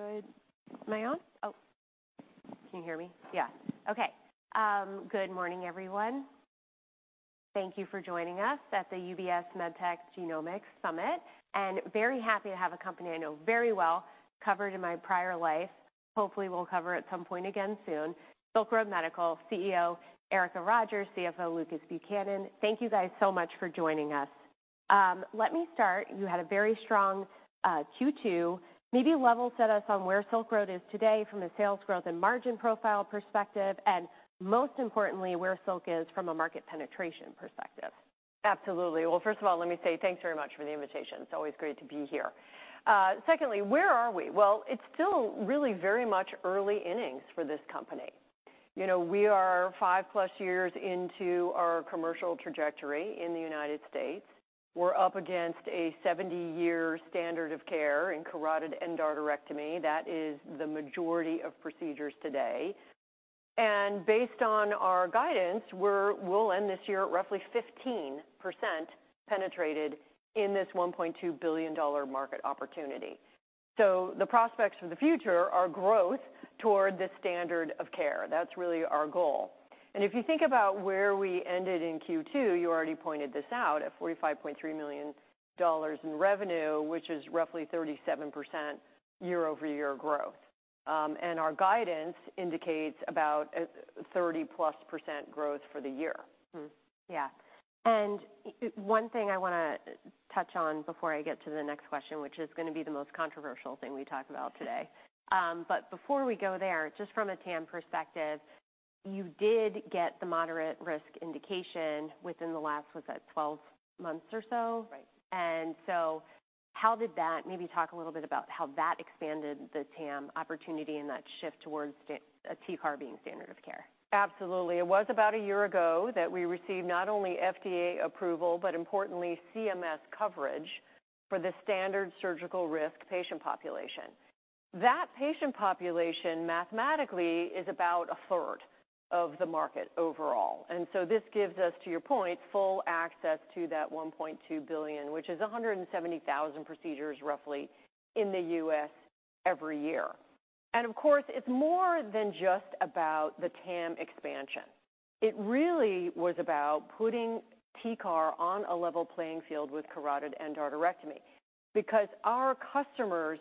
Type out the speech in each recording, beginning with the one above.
All right. Good. Am I on? Oh, can you hear me? Yeah. Okay. Good morning, everyone. Thank you for joining us at the UBS MedTech Genomics Summit, and very happy to have a company I know very well, covered in my prior life, hopefully will cover at some point again soon. Silk Road Medical CEO, Erica Rogers, CFO, Lucas Buchanan. Thank you guys so much for joining us. Let me start. You had a very strong Q2. Maybe level set us on where Silk Road is today from a sales growth and margin profile perspective, and most importantly, where Silk is from a market penetration perspective. Absolutely. Well, first of all, let me say thanks very much for the invitation. It's always great to be here. Secondly, where are we? Well, it's still really very much early innings for this company. You know, we are five plus years into our commercial trajectory in the United States. We're up against a 70-year standard of care in carotid endarterectomy. That is the majority of procedures today. Based on our guidance, we'll end this year at roughly 15% penetrated in this $1.2 billion market opportunity. The prospects for the future are growth toward the standard of care. That's really our goal. If you think about where we ended in Q2, you already pointed this out, at $45.3 million in revenue, which is roughly 37% year-over-year growth. Our guidance indicates about 30%+ growth for the year. Mm. Yeah. One thing I want to touch on before I get to the next question, which is going to be the most controversial thing we talk about today. Before we go there, just from a TAM perspective, you did get the moderate risk indication within the last, was that 12 months or so? Right. how did that Maybe talk a little bit about how that expanded the TAM opportunity and that shift towards a TCAR being standard of care. Absolutely. It was about a year ago that we received not only FDA approval, but importantly, CMS coverage for the standard surgical risk patient population. That patient population, mathematically, is about a third of the market overall. This gives us, to your point, full access to that $1.2 billion, which is 170,000 procedures, roughly, in the US every year. It's more than just about the TAM expansion. It really was about putting TCAR on a level playing field with carotid endarterectomy, because our customers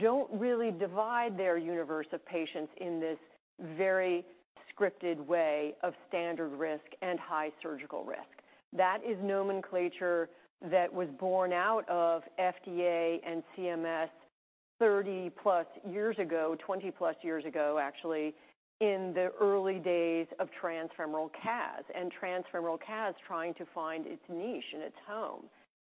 don't really divide their universe of patients in this very scripted way of standard risk and high surgical risk. That is nomenclature that was born out of FDA and CMS 30+ years ago, 20+ years ago, actually, in the early days of transfemoral CAS, and transfemoral CAS trying to find its niche and its home.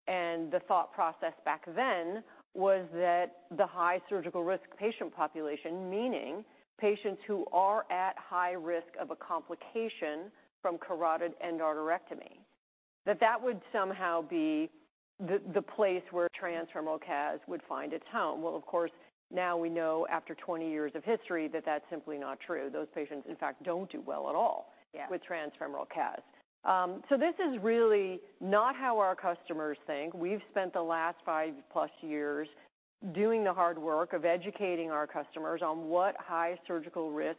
The thought process back then was that the high surgical risk patient population, meaning patients who are at high risk of a complication from carotid endarterectomy, that that would somehow be the, the place where transfemoral CAS would find its home. Of course, now we know after 20 years of history, that that's simply not true. Those patients, in fact, don't do well at all- Yeah... with transfemoral CAS. This is really not how our customers think. We've spent the last 5+ years doing the hard work of educating our customers on what high surgical risk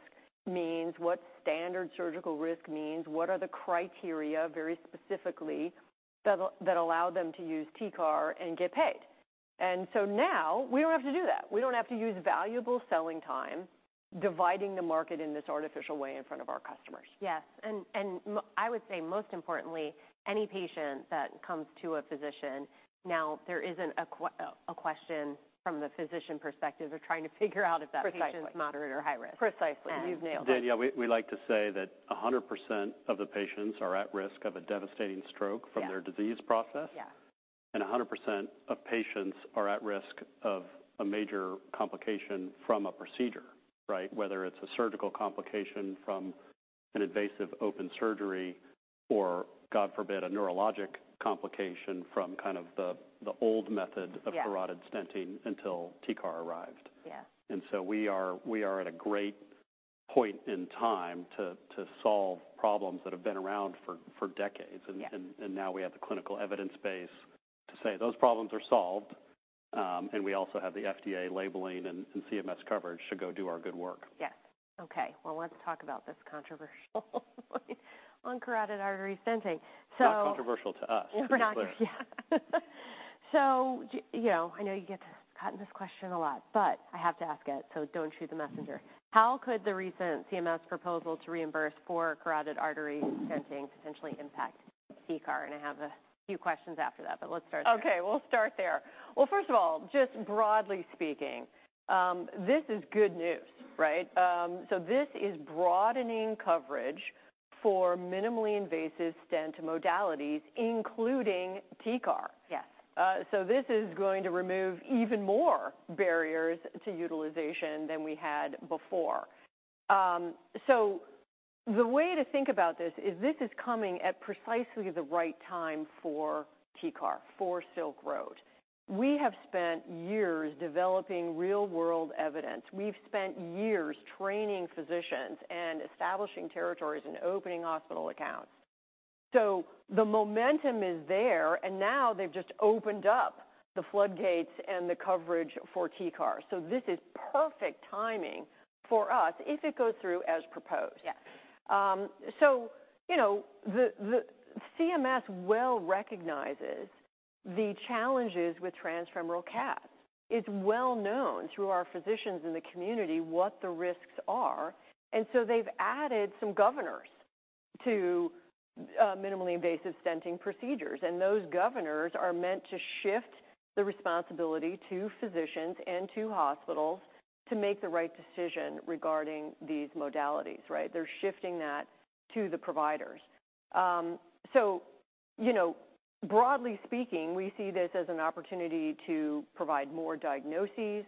means, what standard surgical risk means, what are the criteria, very specifically, that allow them to use TCAR and get paid. Now we don't have to do that. We don't have to use valuable selling time dividing the market in this artificial way in front of our customers Yes, I would say most importantly, any patient that comes to a physician, now, there isn't a question from the physician perspective of trying to figure out if. Precisely. patient is moderate or high risk. Precisely. You've nailed it. Dan, yeah, we, we like to say that 100% of the patients are at risk of a devastating stroke. Yeah from their disease process. Yeah. A 100% of patients are at risk of a major complication from a procedure, right? Whether it's a surgical complication from an invasive open surgery or, God forbid, a neurologic complication from kind of the, the old method. Yeah... of carotid stenting until TCAR arrived. Yeah. We are, we are at a great point in time to, to solve problems that have been around for, for decades. Yeah. Now we have the clinical evidence base to say those problems are solved, and we also have the FDA labeling and CMS coverage to go do our good work. Yes. Okay, well, let's talk about this controversial on carotid artery stenting. Not controversial to us, to be clear. Yeah. You know, I know you get to gotten this question a lot, but I have to ask it, so don't shoot the messenger. How could the recent CMS proposal to reimburse for carotid artery stenting potentially impact TCAR? I have a few questions after that, but let's start there. Okay, we'll start there. Well, first of all, just broadly speaking, this is good news, right? This is broadening coverage for minimally invasive stent modalities, including TCAR. Yes. This is going to remove even more barriers to utilization than we had before. The way to think about this is this is coming at precisely the right time for TCAR, for Silk Road. We have spent years developing real-world evidence. We've spent years training physicians and establishing territories and opening hospital accounts. The momentum is there, and now they've just opened up the floodgates and the coverage for TCAR. This is perfect timing for us if it goes through as proposed. Yes. You know, the CMS well recognizes the challenges with transfemoral CAS. It's well known through our physicians in the community what the risks are, and so they've added some governors to minimally invasive stenting procedures. Those governors are meant to shift the responsibility to physicians and to hospitals to make the right decision regarding these modalities, right? They're shifting that to the providers. You know, broadly speaking, we see this as an opportunity to provide more diagnoses,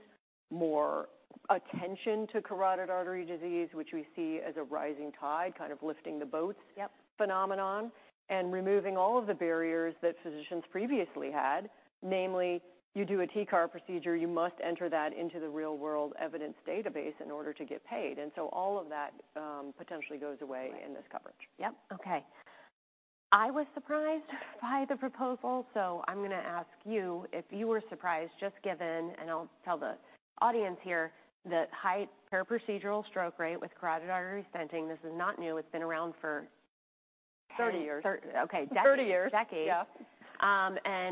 more attention to carotid artery disease, which we see as a rising tide, kind of lifting the boats- Yep - phenomenon, and removing all of the barriers that physicians previously had. Namely, you do a TCAR procedure, you must enter that into the real-world evidence database in order to get paid. And so all of that, potentially goes away. Right. in this coverage. Yep. Okay. I was surprised by the proposal. I'm gonna ask you if you were surprised, just given, and I'll tell the audience here, the high periprocedural stroke rate with carotid artery stenting. This is not new. It's been around for- 30 years. Okay, decades. 30 years. Decades. Yeah.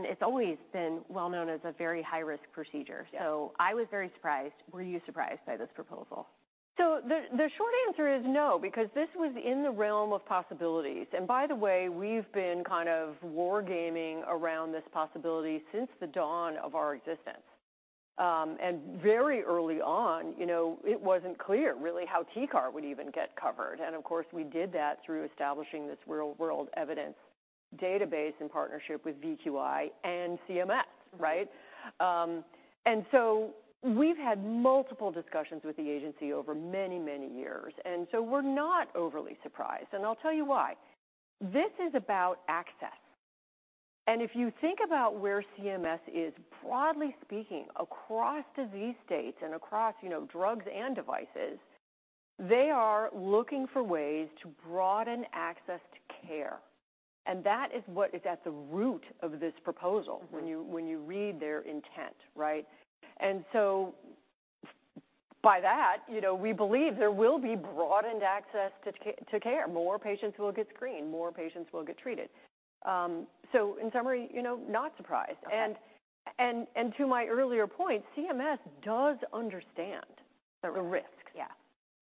It's always been well known as a very high-risk procedure. Yes. I was very surprised. Were you surprised by this proposal? The, the short answer is no, because this was in the realm of possibilities. By the way, we've been kind of war gaming around this possibility since the dawn of our existence. Very early on, you know, it wasn't clear really how TCAR would even get covered. Of course, we did that through establishing this real-world evidence database in partnership with VQI and CMS, right? So we've had multiple discussions with the agency over many, many years, and so we're not overly surprised. I'll tell you why. This is about access, and if you think about where CMS is, broadly speaking, across disease states and across, you know, drugs and devices, they are looking for ways to broaden access to care, and that is what is at the root of this proposal- Mm-hmm when you read their intent, right? By that, you know, we believe there will be broadened access to care. More patients will get screened, more patients will get treated. In summary, you know, not surprised. Okay. To my earlier point, CMS does understand the risks. Yeah.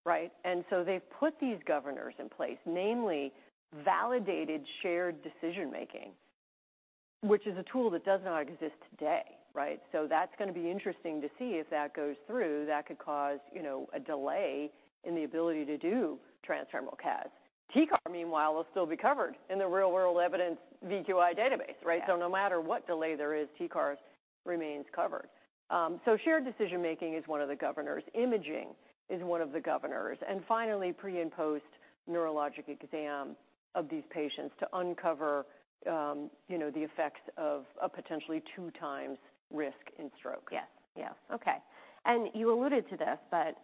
Right? So they've put these governors in place, namely validated shared decision-making, which is a tool that does not exist today, right? That's gonna be interesting to see if that goes through. That could cause, you know, a delay in the ability to do transfemoral CAS. TCAR, meanwhile, will still be covered in the real-world evidence VQI database, right? Yeah. No matter what delay there is, TCAR remains covered. Shared decision-making is one of the governors. Imaging is one of the governors, and finally, pre- and post-neurologic exam of these patients to uncover, you know, the effects of a 2x risk in stroke. Yes. Yeah. Okay. You alluded to this, but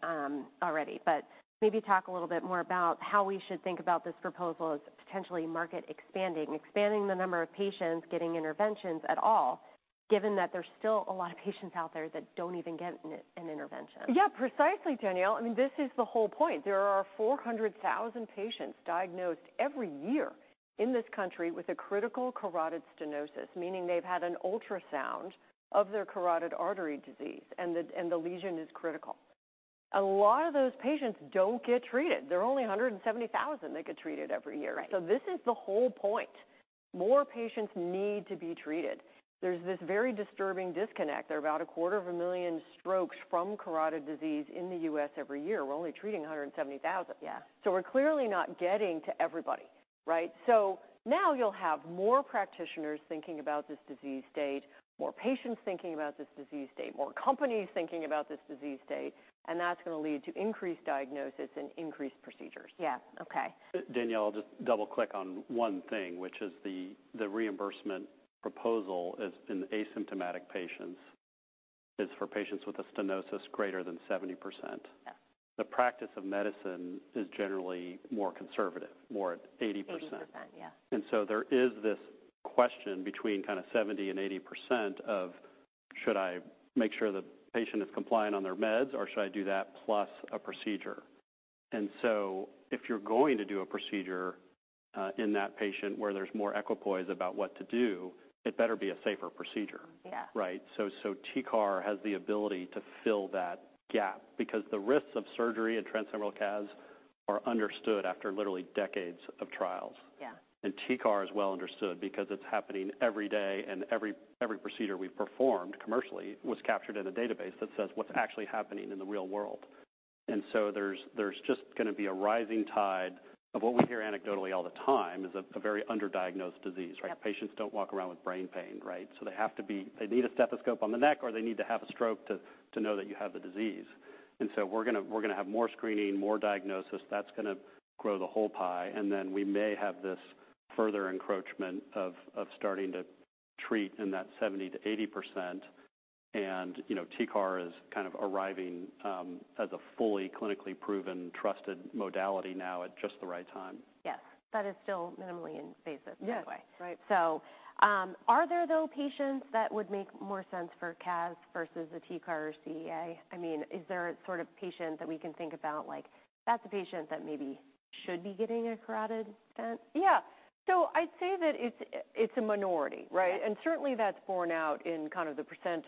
already, but maybe talk a little bit more about how we should think about this proposal as potentially market expanding, expanding the number of patients getting interventions at all, given that there's still a lot of patients out there that don't even get an, an intervention. Yeah, precisely, Danielle. I mean, this is the whole point. There are 400,000 patients diagnosed every year in this country with a critical carotid stenosis, meaning they've had an ultrasound of their carotid artery disease, and the lesion is critical. A lot of those patients don't get treated. There are only 170,000 that get treated every year. Right. This is the whole point. More patients need to be treated. There's this very disturbing disconnect. There are about 250,000 strokes from carotid artery disease in the US every year. We're only treating 170,000. Yeah. We're clearly not getting to everybody, right? Now you'll have more practitioners thinking about this disease state, more patients thinking about this disease state, more companies thinking about this disease state, and that's going to lead to increased diagnosis and increased procedures. Yeah. Okay. Danielle, I'll just double-click on one thing, which is the, the reimbursement proposal is in asymptomatic patients, is for patients with a stenosis greater than 70%. Yeah. The practice of medicine is generally more conservative, more at 80%. 80%, yeah. There is this question between kind of 70% and 80% of, should I make sure the patient is compliant on their meds, or should I do that plus a procedure? If you're going to do a procedure in that patient where there's more equipoise about what to do, it better be a safer procedure. Yeah. Right? so TCAR has the ability to fill that gap because the risks of surgery and transfemoral CAS are understood after literally decades of trials. Yeah. TCAR is well understood because it's happening every day, every procedure we've performed commercially was captured in a database that says what's actually happening in the real world. So there's, there's just gonna be a rising tide of what we hear anecdotally all the time is a, a very underdiagnosed disease, right? Yep. Patients don't walk around with brain pain, right? They need a stethoscope on the neck, or they need to have a stroke to know that you have the disease. We're gonna have more screening, more diagnosis. That's gonna grow the whole pie, and then we may have this further encroachment of starting to treat in that 70%-80%... You know, TCAR is kind of arriving as a fully clinically proven, trusted modality now at just the right time. Yes. That is still minimally invasive- Yes. by the way. Right. Are there, though, patients that would make more sense for CAS versus a TCAR or CEA? I mean, is there a sort of patient that we can think about, like, that's a patient that maybe should be getting a carotid stent? Yeah. I'd say that it's, it's a minority, right? Yeah. Certainly that's borne out in kind of the %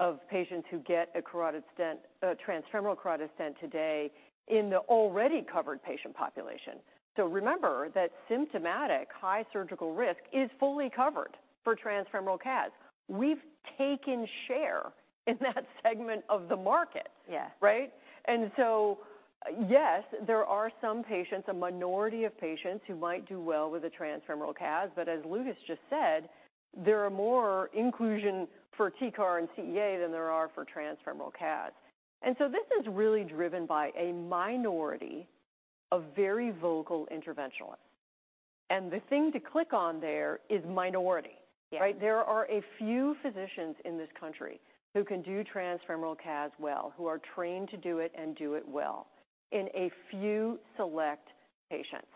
of patients who get a carotid stent, a transfemoral carotid stent today in the already covered patient population. Remember that symptomatic high surgical risk is fully covered for transfemoral CAS. We've taken share in that segment of the market. Yes. Right? Yes, there are some patients, a minority of patients, who might do well with a transfemoral CAS, but as Lucas just said, there are more inclusion for TCAR and CEA than there are for transfemoral CAS. This is really driven by a minority of very vocal interventionalists. The thing to click on there is minority. Yes. Right? There are a few physicians in this country who can do transfemoral CAS well, who are trained to do it and do it well in a few select patients.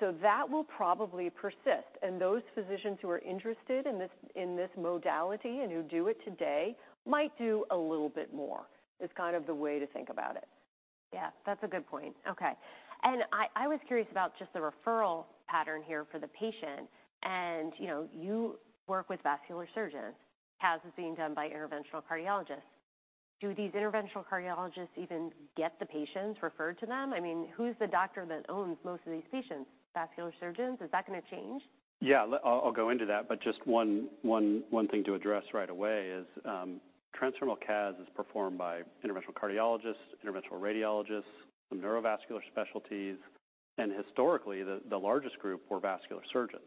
So that will probably persist, and those physicians who are interested in this, in this modality and who do it today might do a little bit more, is kind of the way to think about it. Yeah, that's a good point. Okay. I, I was curious about just the referral pattern here for the patient. You know, you work with vascular surgeons. CAS is being done by interventional cardiologists. Do these interventional cardiologists even get the patients referred to them? I mean, who's the doctor that owns most of these patients? Vascular surgeons? Is that gonna change? Yeah. I'll, I'll go into that, but just one, one, one thing to address right away is, transfemoral CAS is performed by interventional cardiologists, interventional radiologists, some neurovascular specialties, and historically, the, the largest group were vascular surgeons.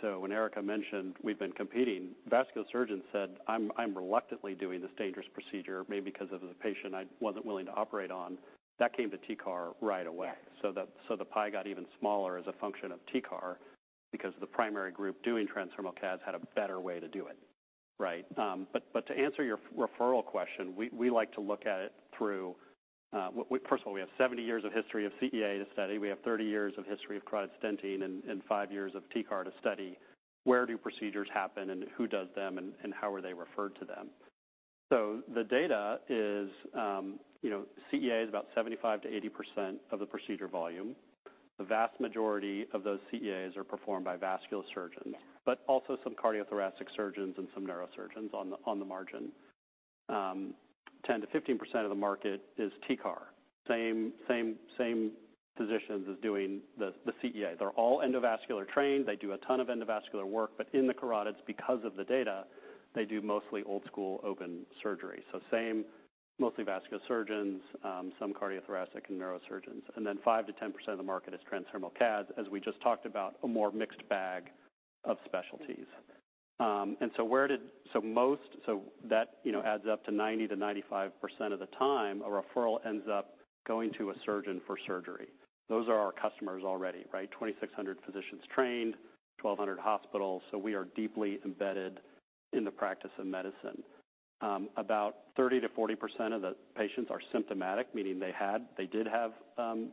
So when Erica mentioned we've been competing, vascular surgeons said, "I'm, I'm reluctantly doing this dangerous procedure, maybe because of the patient I wasn't willing to operate on." That came to TCAR right away. Yeah. The pie got even smaller as a function of TCAR because the primary group doing transfemoral CAS had a better way to do it, right? To answer your referral question, we like to look at it through First of all, we have 70 years of history of CEA to study. We have 30 years of history of carotid stenting and 5 years of TCAR to study. Where do procedures happen, and who does them, how are they referred to them? The data is, you know, CEA is about 75%-80% of the procedure volume. The vast majority of those CEAs are performed by vascular surgeons- Yeah but also some cardiothoracic surgeons and some neurosurgeons on the margin. 10%-15% of the market is TCAR. Same, same, same physicians as doing the CEA. They're all endovascular trained. They do a ton of endovascular work, but in the carotids, because of the data, they do mostly old-school open surgery. Same, mostly vascular surgeons, some cardiothoracic and neurosurgeons. Then 5%-10% of the market is transfemoral CAS, as we just talked about, a more mixed bag of specialties. That, you know, adds up to 90%-95% of the time, a referral ends up going to a surgeon for surgery. Those are our customers already, right? 2,600 physicians trained, 1,200 hospitals, so we are deeply embedded in the practice of medicine. About 30%-40% of the patients are symptomatic, meaning they had, they did have,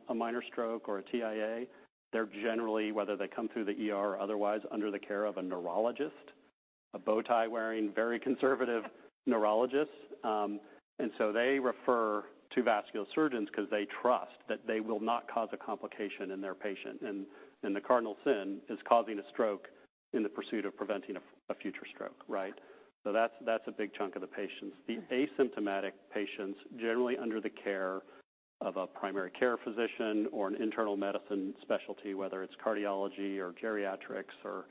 a minor stroke or a TIA. They're generally, whether they come through the ER or otherwise, under the care of a neurologist, a bow tie-wearing, very conservative neurologist. They refer to vascular surgeons because they trust that they will not cause a complication in their patient. The cardinal sin is causing a stroke in the pursuit of preventing a, a future stroke, right? That's, that's a big chunk of the patients. The asymptomatic patients, generally under the care of a primary care physician or an internal medicine specialty, whether it's cardiology or geriatrics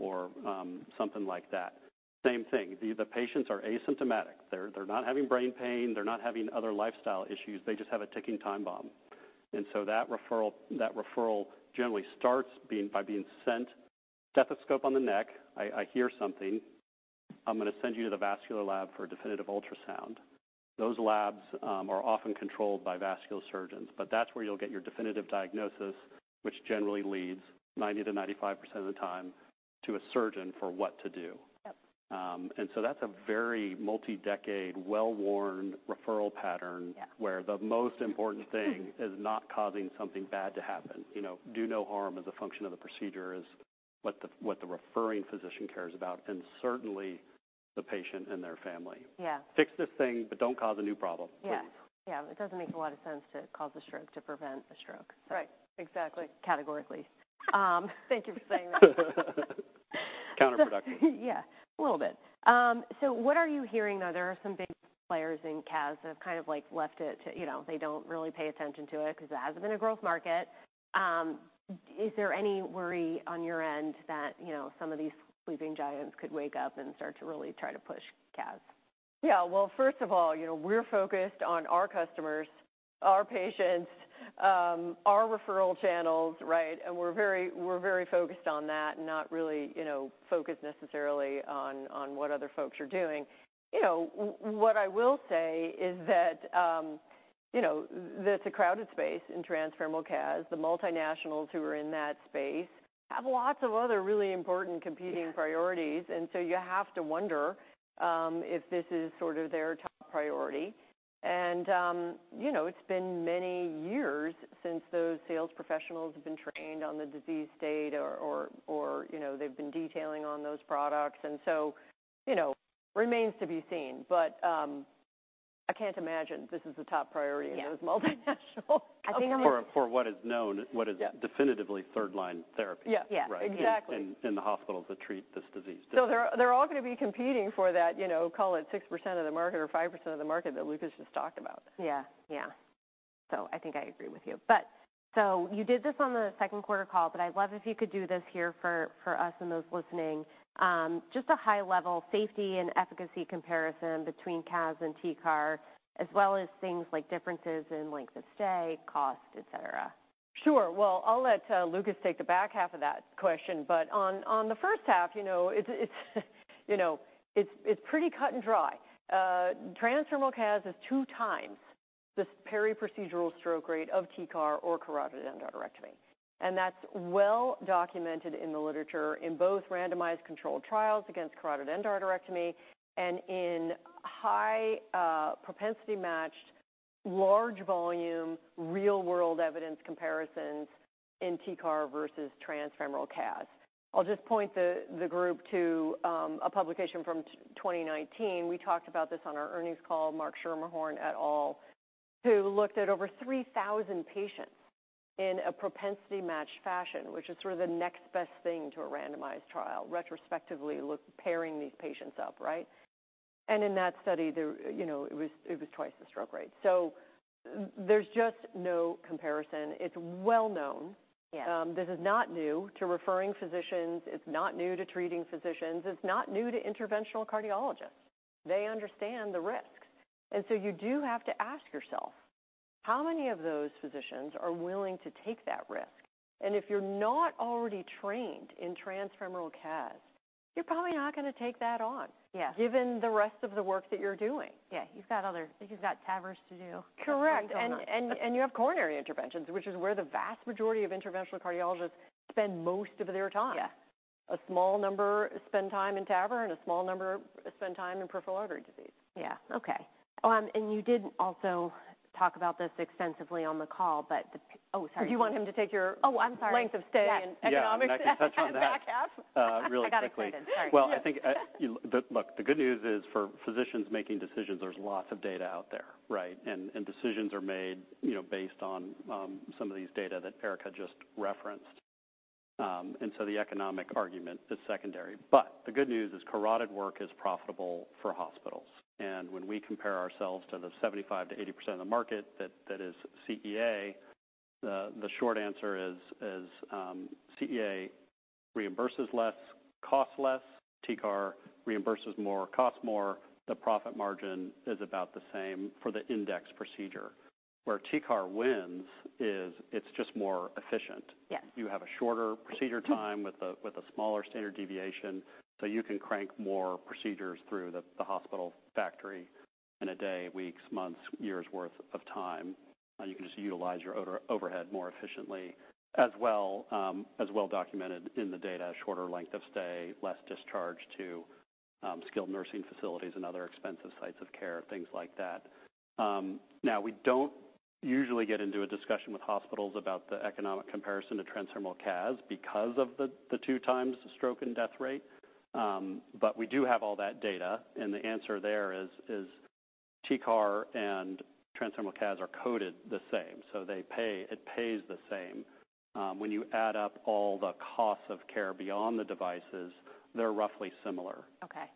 or, or, something like that, same thing. The, the patients are asymptomatic. They're, they're not having brain pain. They're not having other lifestyle issues. They just have a ticking time bomb. That referral, that referral generally starts being, by being sent, "Stethoscope on the neck. I, I hear something. I'm gonna send you to the vascular lab for a definitive ultrasound." Those labs, are often controlled by vascular surgeons, but that's where you'll get your definitive diagnosis, which generally leads 90%-95% of the time to a surgeon for what to do. Yep. That's a very multi-decade, well-worn referral pattern. Yeah... where the most important thing is not causing something bad to happen. You know, do no harm as a function of the procedure is what the referring physician cares about, and certainly the patient and their family. Yeah. Fix this thing, but don't cause a new problem, please. Yeah. Yeah, it doesn't make a lot of sense to cause a stroke to prevent a stroke. Right. Exactly. Categorically. Thank you for saying that. Counterproductive. Yeah, a little bit. What are you hearing, though? There are some big players in CAS that have kind of like left it to... You know, they don't really pay attention to it because it hasn't been a growth market. Is there any worry on your end that, you know, some of these sleeping giants could wake up and start to really try to push CAS? Yeah. Well, first of all, you know, we're focused on our customers, our patients, our referral channels, right? We're very, we're very focused on that and not really, you know, focused necessarily on, on what other folks are doing. You know, what I will say is that, you know, that it's a crowded space in transfemoral CAS. The multinationals who are in that space have lots of other really important competing priorities. Yes. You have to wonder, if this is sort of their top priority. You know, it's been many years since those sales professionals have been trained on the disease state or, you know, they've been detailing on those products. You know, remains to be seen, but, I can't imagine this is the top priority... Yeah in those multinationals. I think- For what is known. Yeah definitively third line therapy. Yeah. Yeah. Right? Exactly. In the hospitals that treat this disease. They're, they're all gonna be competing for that, you know, call it 6% of the market or 5% of the market that Lucas just talked about. Yeah. Yeah. I think I agree with you. You did this on the second quarter call, but I'd love if you could do this here for us and those listening. Just a high level safety and efficacy comparison between CAS and TCAR, as well as things like differences in length of stay, cost, et cetera. Sure. Well, I'll let Lucas take the back half of that question, on, on the first half, you know, it's, it's, you know, it's, it's pretty cut and dry. Transfemoral CAS is 2x the periprocedural stroke rate of TCAR or carotid endarterectomy, that's well documented in the literature in both randomized controlled trials against carotid endarterectomy and in high propensity-matched, large volume, real-world evidence comparisons in TCAR versus transfemoral CAS. I'll just point the, the group to a publication from 2019. We talked about this on our earnings call, Marc Schermerhorn et al., who looked at over 3,000 patients in a propensity-matched fashion, which is sort of the next best thing to a randomized trial, retrospectively look pairing these patients up, right? In that study, there, you know, it was, it 2x the stroke rate. There's just no comparison. It's well known. Yeah. This is not new to referring physicians. It's not new to treating physicians. It's not new to interventional cardiologists. They understand the risks. So you do have to ask yourself, how many of those physicians are willing to take that risk? If you're not already trained in transfemoral CAS, you're probably not gonna take that on- Yeah... given the rest of the work that you're doing. Yeah, you've got other, I think you've got TAVR to do. Correct. So, You have coronary interventions, which is where the vast majority of interventional cardiologists spend most of their time. Yeah. A small number spend time in TAVR, and a small number spend time in peripheral artery disease. Yeah. Okay. You did also talk about this extensively on the call, but the... Sorry. Do you want him to take your- Oh, I'm sorry. Length of stay. Yes ...economics? Yeah, I can touch on that. The back half. really quickly. I got excited. Sorry. Well, I think, you... Look, the good news is, for physicians making decisions, there's lots of data out there, right? Decisions are made, you know, based on, some of these data that Erica just referenced. So the economic argument is secondary. The good news is, carotid work is profitable for hospitals, and when we compare ourselves to the 75%-80% of the market that, that is CEA, the, the short answer is, is, CEA reimburses less, costs less. TCAR reimburses more, costs more. The profit margin is about the same for the index procedure. Where TCAR wins is it's just more efficient. Yes. You have a shorter procedure time with a, with a smaller standard deviation, so you can crank more procedures through the, the hospital factory in a day, weeks, months, years' worth of time. You can just utilize your OR overhead more efficiently, as well, as well documented in the data, shorter length of stay, less discharge to skilled nursing facilities and other expensive sites of care, things like that. Now, we don't usually get into a discussion with hospitals about the economic comparison to transfemoral CAS because of the, the 2x stroke and death rate. We do have all that data, and the answer there is, is TCAR and transfemoral CAS are coded the same, so they pay- it pays the same. When you add up all the costs of care beyond the devices, they're roughly similar. Okay.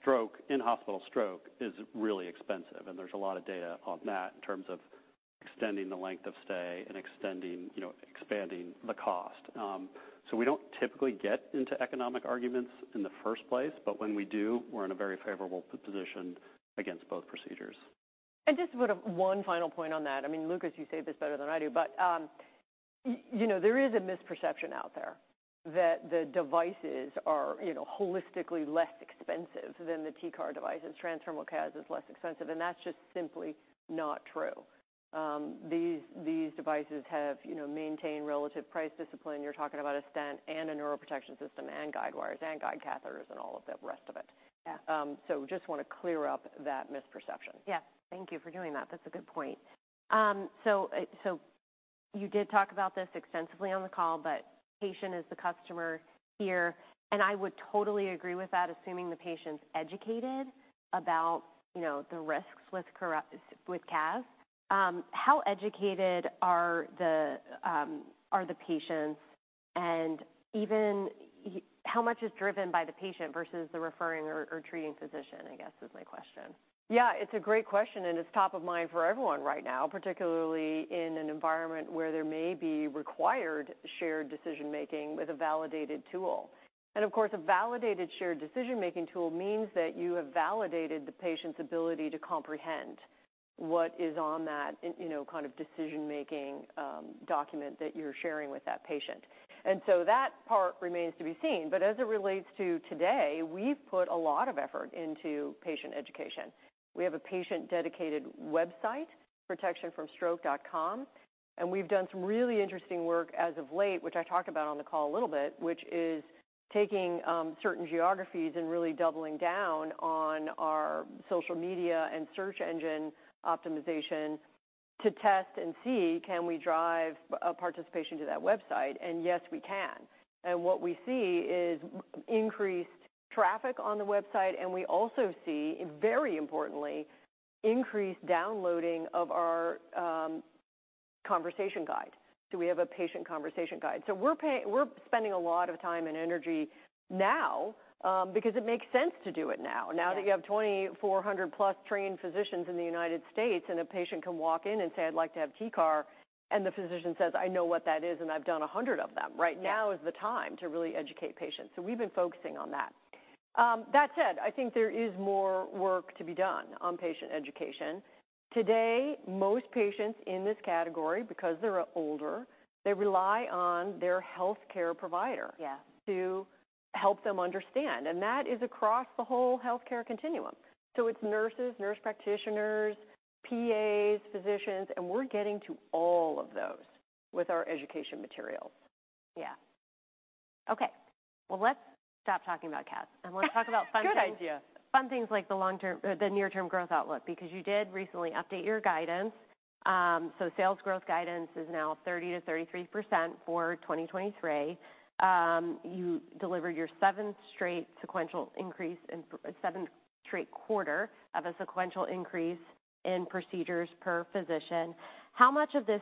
Stroke, in-hospital stroke is really expensive, and there's a lot of data on that in terms of extending the length of stay and extending, you know, expanding the cost. We don't typically get into economic arguments in the first place, but when we do, we're in a very favorable position against both procedures. Just sort of one final point on that. I mean, Lucas, you say this better than I do, but, you know, there is a misperception out there that the devices are, you know, holistically less expensive than the TCAR devices. Transfemoral CAS is less expensive, and that's just simply not true. These, these devices have, you know, maintained relative price discipline. You're talking about a stent and a neuroprotection system and guide wires and guide catheters and all of the rest of it. Yeah. Just want to clear up that misperception. Yes. Thank you for doing that. That's a good point. You did talk about this extensively on the call, but patient is the customer here, and I would totally agree with that, assuming the patient's educated about, you know, the risks with CAS. How educated are the patients? Even how much is driven by the patient versus the referring or, or treating physician, I guess is my question. Yeah, it's a great question, and it's top of mind for everyone right now, particularly in an environment where there may be required shared decision-making with a validated tool. Of course, a validated shared decision-making tool means that you have validated the patient's ability to comprehend what is on that, you know, kind of decision-making document that you're sharing with that patient. So that part remains to be seen. As it relates to today, we've put a lot of effort into patient education. We have a patient-dedicated website, protectionfromstroke.com, and we've done some really interesting work as of late, which I talked about on the call a little bit, which is taking certain geographies and really doubling down on our social media and search engine optimization to test and see: Can we drive participation to that website? Yes, we can. What we see is increased traffic on the website, and we also see, very importantly, increased downloading of our conversation guide. We have a patient conversation guide. We're spending a lot of time and energy now, because it makes sense to do it now. Yes. Now that you have 2,400 plus trained physicians in the United States, and a patient can walk in and say, "I'd like to have TCAR," and the physician says, "I know what that is, and I've done 100 of them. Yes. Right now is the time to really educate patients, so we've been focusing on that. That said, I think there is more work to be done on patient education. Today, most patients in this category, because they're older, they rely on their healthcare provider. Yes -to help them understand, and that is across the whole healthcare continuum. It's nurses, nurse practitioners, PAs, physicians, and we're getting to all of those with our education materials. Yeah. Okay, well, let's stop talking about cats- and let's talk about fun things. Good idea. Fun things like the long-term, the near-term growth outlook, because you did recently update your guidance. Sales growth guidance is now 30%-33% for 2023. You delivered your seventh straight sequential increase in seventh straight quarter of a sequential increase in procedures per physician. How much of this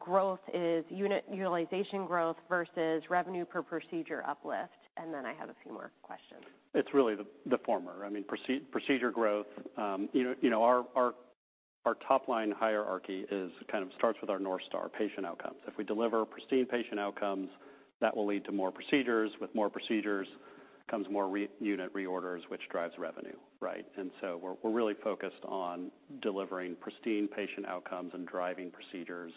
growth is unit utilization growth versus revenue per procedure uplift? Then I have a few more questions. It's really the, the former. I mean, procedure growth, you know, our, our, our top-line hierarchy is kind of starts with our North Star: patient outcomes. If we deliver pristine patient outcomes, that will lead to more procedures. With more procedures comes more unit reorders, which drives revenue, right? We're, we're really focused on delivering pristine patient outcomes and driving procedures,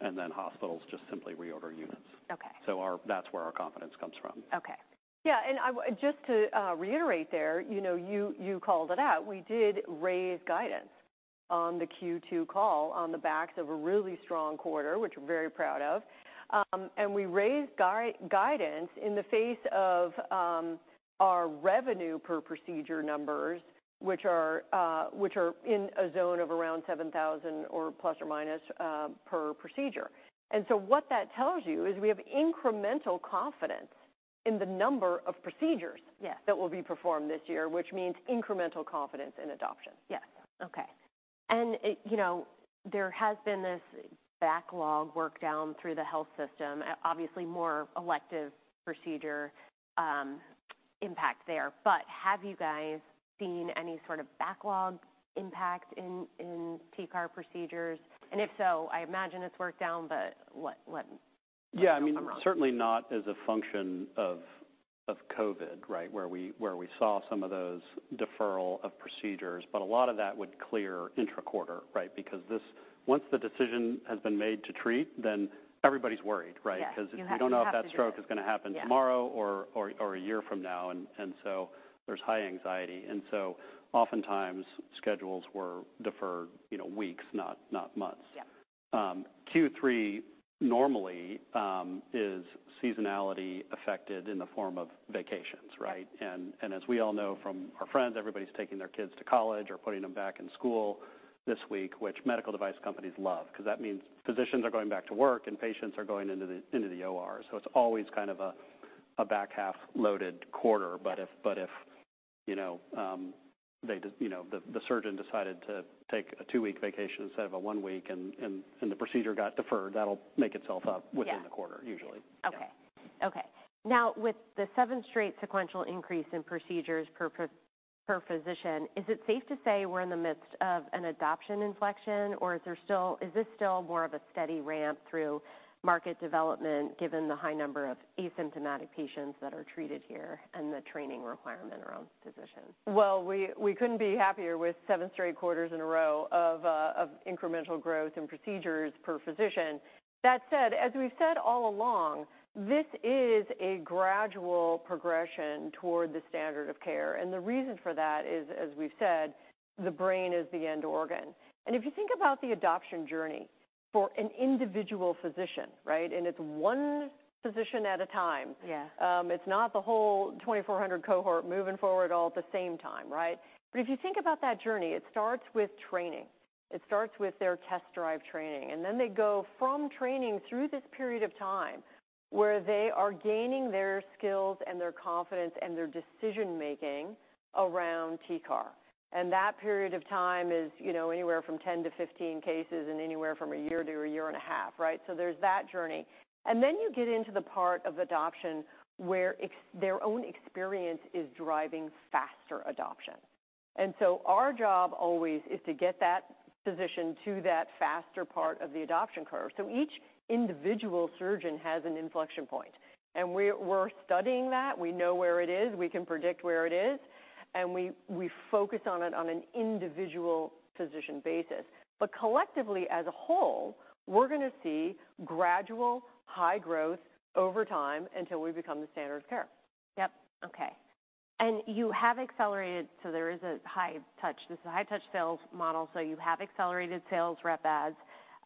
and then hospitals just simply reorder units. Okay. That's where our confidence comes from. Okay. Yeah, I just to reiterate there, you know, you, you called it out. We did raise guidance on the Q2 call on the backs of a really strong quarter, which we're very proud of. We raised guidance in the face of our revenue per procedure numbers, which are in a zone of around $7,000 or plus or minus per procedure. What that tells you is we have incremental confidence in the number of procedures- Yes That will be performed this year, which means incremental confidence in adoption. Yes. Okay, you know, there has been this backlog workdown through the health system, obviously more elective procedure impact there. Have you guys seen any sort of backlog impact in TCAR procedures? If so, I imagine it's worked down, what might go wrong? Yeah, I mean, certainly not as a function of, of COVID, right? Where we, where we saw some of those deferral of procedures, but a lot of that would clear intra-quarter, right? Because once the decision has been made to treat, then everybody's worried, right? Yes, you have to. Because we don't know if that stroke is gonna happen... Yes... tomorrow or, or, or a year from now, and, and so there's high anxiety. Oftentimes, schedules were deferred, you know, weeks, not, not months. Yeah. Q3 normally, is seasonality affected in the form of vacations, right? Yes. As we all know from our friends, everybody's taking their kids to college or putting them back in school this week, which medical device companies love because that means physicians are going back to work, and patients are going into the OR. It's always kind of a, a back half-loaded quarter. Yes. If, you know, they just, you know, the surgeon decided to take a two weeks vacation instead of a one week, and the procedure got deferred, that'll make itself up. Yeah ...within the quarter, usually. Okay. Okay, now with the seventh straight sequential increase in procedures per physician, is it safe to say we're in the midst of an adoption inflection, or is this still more of a steady ramp through market development, given the high number of asymptomatic patients that are treated here and the training requirement around physicians? Well, we couldn't be happier with seven straight quarters in a row of incremental growth in procedures per physician. That said, as we've said all along, this is a gradual progression toward the standard of care. The reason for that is, as we've said, the brain is the end organ. If you think about the adoption journey for an individual physician, right? It's one physician at a time. Yeah. It's not the whole 2,400 cohort moving forward all at the same time, right? If you think about that journey, it starts with training. It starts with their test drive training, and then they go from training through this period of time, where they are gaining their skills and their confidence and their decision-making around TCAR. That period of time is, you know, anywhere from 10-15 cases and anywhere from a year to a year and a half, right? There's that journey. You get into the part of adoption where their own experience is driving faster adoption. Our job always is to get that physician to that faster part of the adoption curve. Each individual surgeon has an inflection point, and we're, we're studying that. We know where it is. We can predict where it is.... We focus on it on an individual physician basis. Collectively, as a whole, we're gonna see gradual, high growth over time until we become the standard of care. Yep, okay. You have accelerated, so there is a high touch. This is a high-touch sales model, so you have accelerated sales rep adds,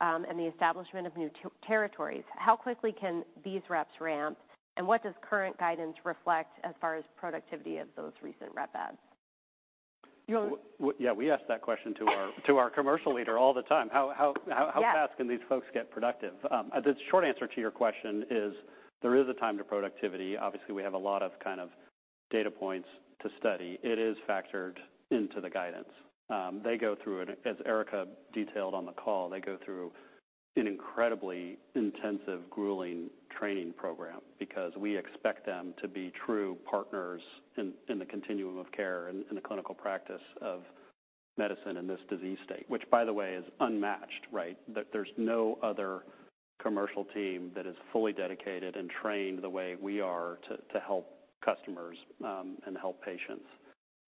and the establishment of new territories. How quickly can these reps ramp? What does current guidance reflect as far as productivity of those recent rep adds? You want- Yeah, we ask that question to our, to our commercial leader all the time. Yes. How, how, how fast can these folks get productive? The short answer to your question is there is a time to productivity. Obviously, we have a lot of kind of data points to study. It is factored into the guidance. They go through, and as Erica detailed on the call, they go through an incredibly intensive, grueling training program because we expect them to be true partners in, in the continuum of care and in the clinical practice of medicine in this disease state, which, by the way, is unmatched, right? There, there's no other commercial team that is fully dedicated and trained the way we are to, to help customers and help patients.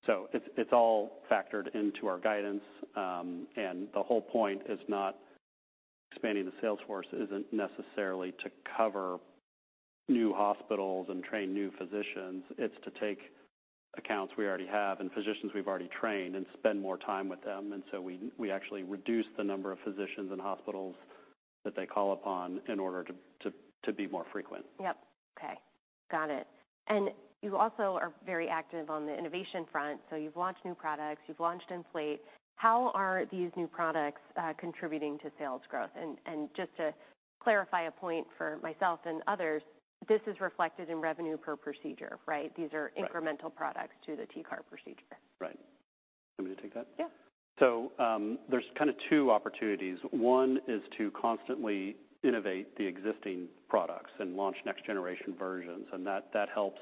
It's, it's all factored into our guidance, and the whole point is not... Expanding the sales force isn't necessarily to cover new hospitals and train new physicians, it's to take accounts we already have and physicians we've already trained and spend more time with them. We actually reduce the number of physicians and hospitals that they call upon in order to be more frequent. Yep. Okay, got it. You also are very active on the innovation front, so you've launched new products, you've launched ENFLATE. How are these new products contributing to sales growth? Just to clarify a point for myself and others, this is reflected in revenue per procedure, right? Right. These are incremental products to the TCAR procedure. Right. You want me to take that? Yeah. There's kind of two opportunities. One is to constantly innovate the existing products and launch next generation versions, that, that helps,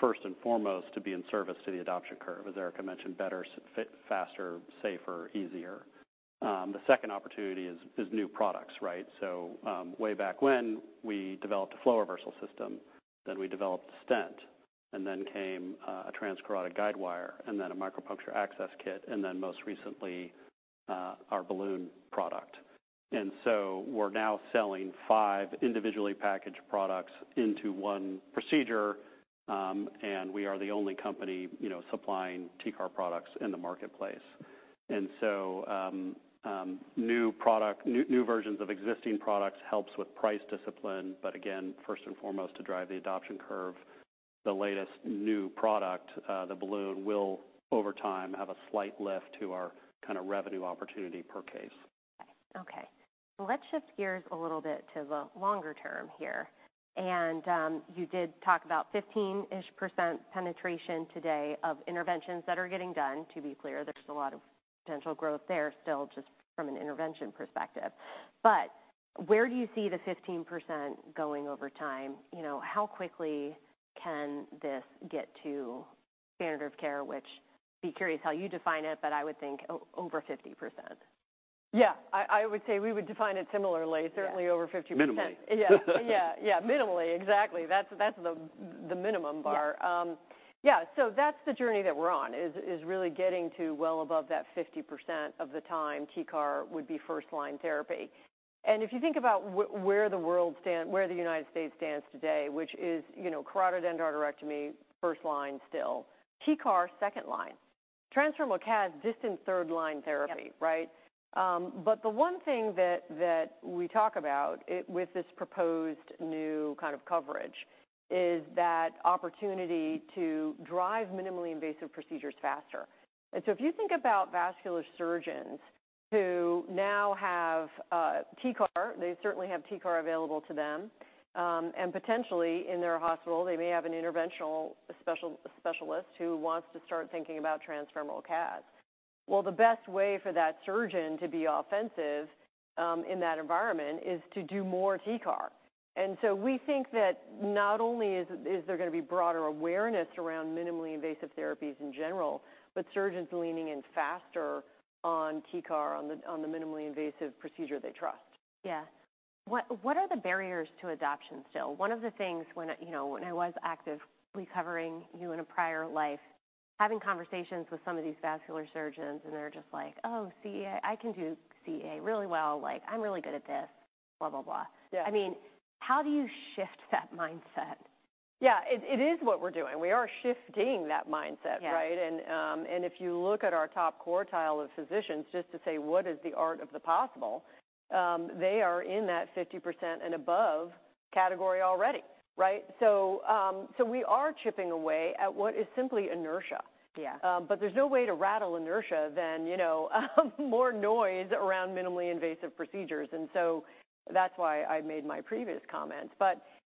first and foremost, to be in service to the adoption curve, as Erica mentioned, better, fit, faster, safer, easier. The second opportunity is, is new products, right? Way back when, we developed a flow reversal system, then we developed stent, then came a transcarotid guide wire, then a micropuncture access kit, then most recently, our balloon product. We're now selling five individually packaged products into 1 procedure, and we are the only company, you know, supplying TCAR products in the marketplace. New product, new, new versions of existing products helps with price discipline, but again, first and foremost, to drive the adoption curve. The latest new product, the balloon, will, over time, have a slight lift to our kind of revenue opportunity per case. Okay. Let's shift gears a little bit to the longer term here. You did talk about 15-ish% penetration today of interventions that are getting done. To be clear, there's a lot of potential growth there still, just from an intervention perspective. Where do you see the 15% going over time? You know, how quickly can this get to standard of care, which I'd be curious how you define it, but I would think over 50%. Yeah. I, I would say we would define it similarly. Yeah. Certainly over 50%. Minimally. Yeah, yeah, yeah. Minimally, exactly. That's, that's the, the minimum bar. Yeah. Yeah, so that's the journey that we're on, is, is really getting to well above that 50% of the time TCAR would be first-line therapy. If you think about where the world stands, where the United States stands today, which is, you know, carotid endarterectomy, first line still, TCAR, second line. transfemoral CAS, distant third line therapy. Yep. Right? But the one thing that, that we talk about with this proposed new kind of coverage is that opportunity to drive minimally invasive procedures faster. If you think about vascular surgeons who now have TCAR, they certainly have TCAR available to them, and potentially in their hospital, they may have an interventional specialist who wants to start thinking about transfemoral CAS. Well, the best way for that surgeon to be offensive in that environment is to do more TCAR. We think that not only is there gonna be broader awareness around minimally invasive therapies in general, but surgeons leaning in faster on TCAR, on the minimally invasive procedure they trust. Yeah. What, what are the barriers to adoption still? One of the things, when, you know, when I was actively covering you in a prior life, having conversations with some of these vascular surgeons, and they're just like: "Oh, CA, I can do CA really well. Like, I'm really good at this," blah, blah, blah. Yeah. I mean, how do you shift that mindset? Yeah, it, it is what we're doing. We are shifting that mindset, right? Yeah. If you look at our top quartile of physicians, just to say, what is the art of the possible, they are in that 50% and above category already, right? We are chipping away at what is simply inertia. Yeah. But there's no way to rattle inertia than, you know, more noise around minimally invasive procedures. So that's why I made my previous comment.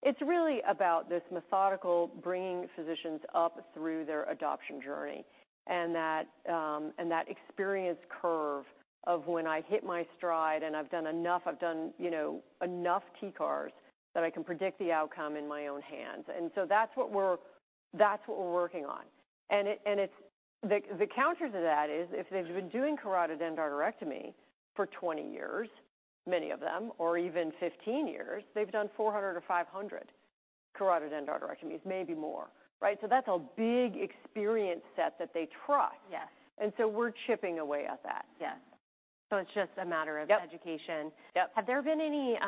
It's really about this methodical, bringing physicians up through their adoption journey, and that experience curve of when I hit my stride and I've done enough, I've done, you know, enough TCARs, that I can predict the outcome in my own hands. So that's what we're, that's what we're working on. And it, and it's. The counter to that is, if they've been doing carotid endarterectomy for 20 years. Many of them, or even 15 years, they've done 400 or 500 carotid endarterectomies, maybe more, right? That's a big experience set that they trust. Yes. We're chipping away at that. Yes. it's just a matter of. Yep. -education. Yep. Have there been any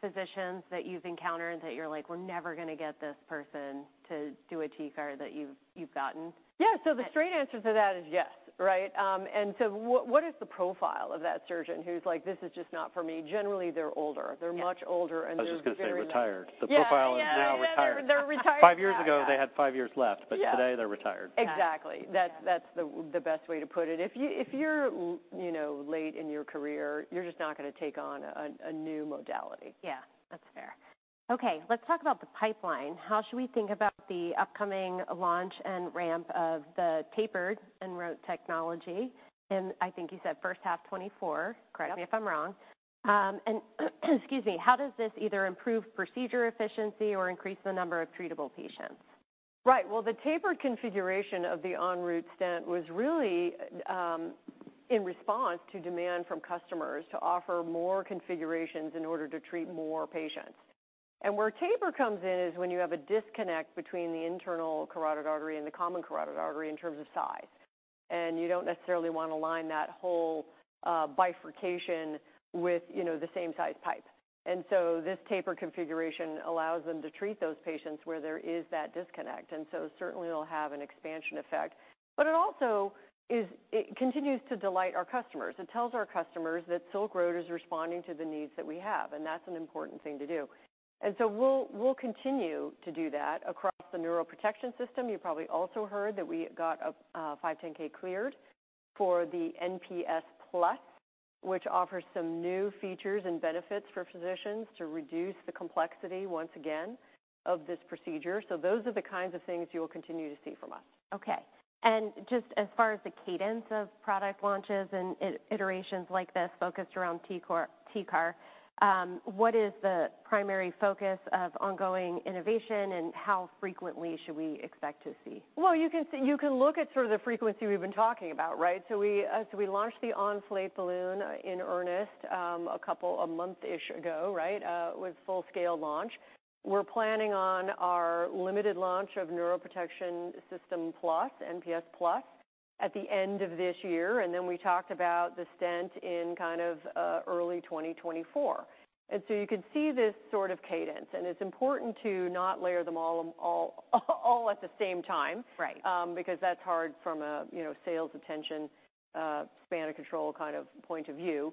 physicians that you've encountered that you're like, "We're never gonna get this person to do a TCAR," that you've, you've gotten? Yeah, so the straight answer to that is yes, right? So what, what is the profile of that surgeon who's like: This is just not for me? Generally, they're older. Yeah. They're much older, and they're very- I was just gonna say retired. Yeah. Yeah. The profile is they're now retired. They're retired. Five years ago, they had five years left. Yeah Today they're retired. Yeah. Exactly. Yeah. That's, that's the, the best way to put it. If you, if you're, you know, late in your career, you're just not gonna take on a, a new modality. Yeah, that's fair. Okay, let's talk about the pipeline. How should we think about the upcoming launch and ramp of the tapered ENROUTE technology? I think you said first half 2024. Yep. Correct me if I'm wrong. Excuse me, how does this either improve procedure efficiency or increase the number of treatable patients? Right. Well, the tapered configuration of the ENROUTE stent was really in response to demand from customers to offer more configurations in order to treat more patients. Where taper comes in is when you have a disconnect between the internal carotid artery and the common carotid artery in terms of size, and you don't necessarily want to line that whole bifurcation with, you know, the same size pipe. This taper configuration allows them to treat those patients where there is that disconnect, and so certainly it'll have an expansion effect. It also is. It continues to delight our customers. It tells our customers that Silk Road is responding to the needs that we have, and that's an important thing to do. We'll, we'll continue to do that across the neuroprotection system. You probably also heard that we got a 510(k) cleared for the NPS+, which offers some new features and benefits for physicians to reduce the complexity, once again, of this procedure. Those are the kinds of things you will continue to see from us. Okay. Just as far as the cadence of product launches and iterations like this focused around TCAR, TCAR, what is the primary focus of ongoing innovation, and how frequently should we expect to see? Well, you can you can look at sort of the frequency we've been talking about, right? We launched the ENFLATE balloon in earnest, a couple, a month-ish ago, right? With full-scale launch. We're planning on our limited launch of Neuroprotection System+, NPS+, at the end of this year, and then we talked about the stent in kind of, early 2024. So you can see this sort of cadence, and it's important to not layer them all, all, all at the same time. Right. Because that's hard from a, you know, sales attention, span and control kind of point of view.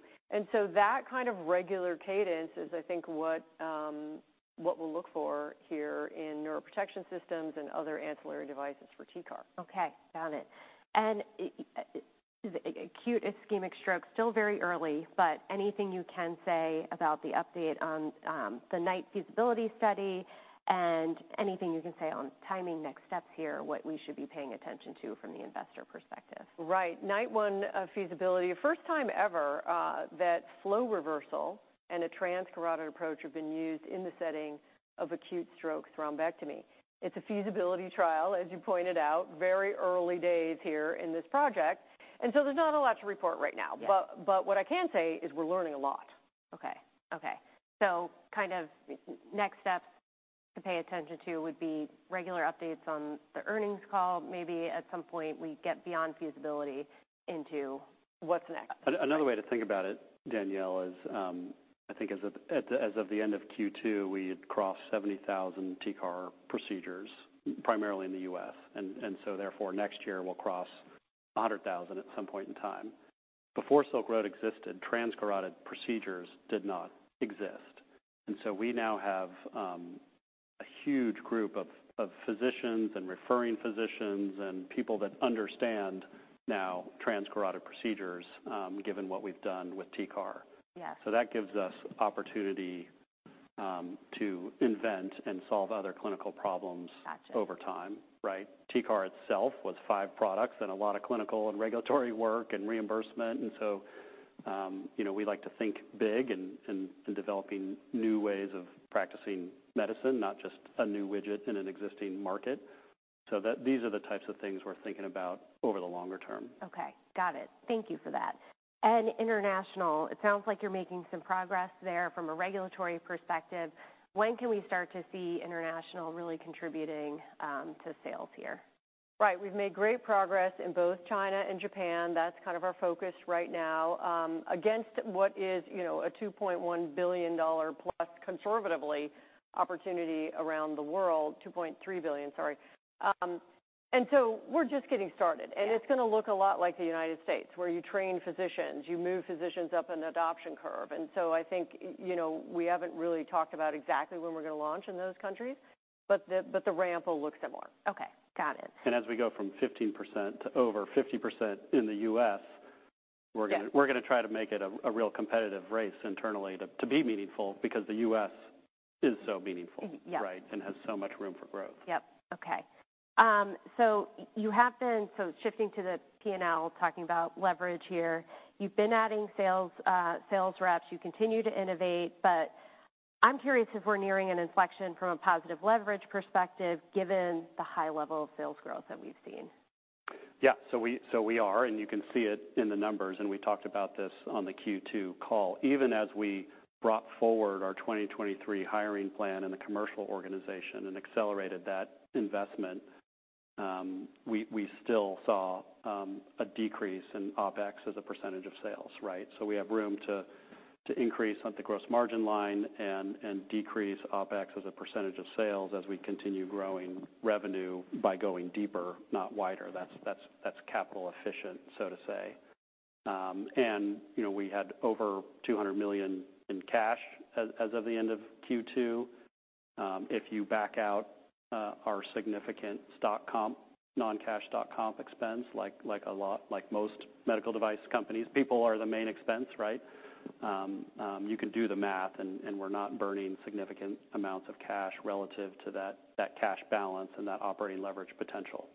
That kind of regular cadence is, I think, what, what we'll look for here in neuroprotection systems and other ancillary devices for TCAR. Okay, got it. Acute ischemic stroke, still very early, but anything you can say about the update on the NITE 1 Study and anything you can say on timing, next steps here, what we should be paying attention to from the investor perspective? Right. NITE 1, feasibility. First time ever, that flow reversal and a transcarotid approach have been used in the setting of acute stroke thrombectomy. It's a feasibility trial, as you pointed out, very early days here in this project, and so there's not a lot to report right now. Yeah. What I can say is we're learning a lot. Okay. Okay, kind of next steps to pay attention to would be regular updates on the earnings call. Maybe at some point, we get beyond feasibility into what's next? Another way to think about it, Danielle, is, I think as of the end of Q2, we had crossed 70,000 TCAR procedures, primarily in the US. Therefore, next year we'll cross 100,000 at some point in time. Before Silk Road existed, transcarotid procedures did not exist. We now have a huge group of physicians and referring physicians and people that understand now transcarotid procedures, given what we've done with TCAR. Yes. That gives us opportunity to invent and solve other clinical problems. Gotcha... over time, right? TCAR itself was five products and a lot of clinical and regulatory work and reimbursement. You know, we like to think big in developing new ways of practicing medicine, not just a new widget in an existing market. These are the types of things we're thinking about over the longer term. Okay. Got it. Thank you for that. International, it sounds like you're making some progress there from a regulatory perspective. When can we start to see international really contributing to sales here? Right. We've made great progress in both China and Japan. That's kind of our focus right now, against what is, you know, a $2.1 billion+, conservatively, opportunity around the world. $2.3 billion, sorry. So we're just getting started- Yeah... and it's gonna look a lot like the United States, where you train physicians, you move physicians up an adoption curve. So I think, you know, we haven't really talked about exactly when we're gonna launch in those countries, the ramp will look similar. Okay. Got it. As we go from 15% to over 50% in the U.S. Yeah... we're gonna, we're gonna try to make it a, a real competitive race internally to, to be meaningful, because the U.S. is so meaningful. Mm-hmm. Yeah.... right, and has so much room for growth. Yep. Okay. You have been... Shifting to the P&L, talking about leverage here, you've been adding sales, sales reps, you continue to innovate, but I'm curious if we're nearing an inflection from a positive leverage perspective, given the high level of sales growth that we've seen?... Yeah, so we, so we are, and you can see it in the numbers, and we talked about this on the Q2 call. Even as we brought forward our 2023 hiring plan in the commercial organization and accelerated that investment, we, we still saw a decrease in OpEx as a % of sales, right? We have room to, to increase on the gross margin line and, and decrease OpEx as a % of sales as we continue growing revenue by going deeper, not wider. That's, that's, that's capital efficient, so to say. And, you know, we had over $200 million in cash as, as of the end of Q2. If you back out our significant stock comp, non-cash stock comp expense, like, like a lot, like most medical device companies, people are the main expense, right? You can do the math, and we're not burning significant amounts of cash relative to that, that cash balance and that operating leverage potential.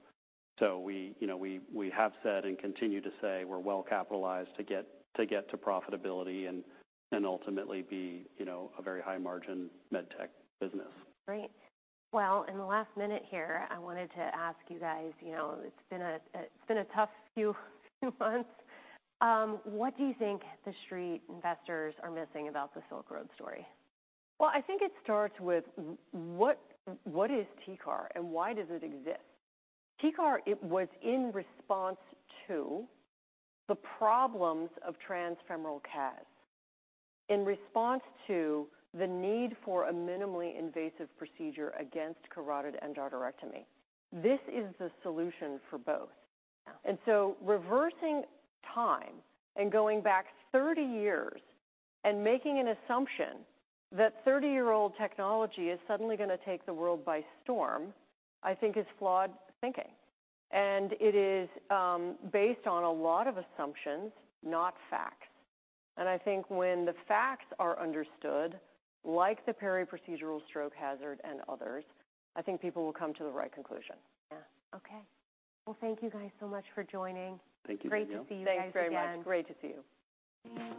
We, you know, we, we have said and continue to say we're well-capitalized to get, to get to profitability and, and ultimately be, you know, a very high-margin MedTech business. Great. Well, in the last minute here, I wanted to ask you guys, you know, it's been a, it's been a tough few months. What do you think the Street investors are missing about the Silk Road story? Well, I think it starts with what, what is TCAR, and why does it exist? TCAR, it was in response to the problems of transfemoral CAS. In response to the need for a minimally invasive procedure against carotid endarterectomy. This is the solution for both. Yeah. Reversing time and going back 30 years and making an assumption that 30-year-old technology is suddenly going to take the world by storm, I think is flawed thinking. It is based on a lot of assumptions, not facts. I think when the facts are understood, like the periprocedural stroke hazard and others, I think people will come to the right conclusion. Yeah. Okay. Well, thank you guys so much for joining. Thank you, Danielle. Great to see you guys again. Thanks very much. Great to see you.